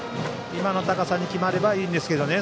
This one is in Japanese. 今の高さに決まればいいんですがね